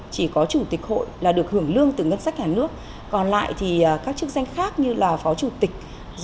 chỉ có chủ tịch hội là được hưởng lương từ ngân sách nhà nước còn lại thì các chức danh khác như là phó chủ tịch